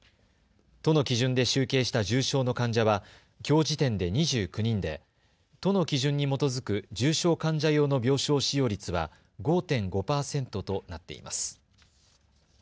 都の基準で集計した重症の患者はきょう時点で２９人で都の基準に基づく重症患者用の病床使用率は５．５％となっています。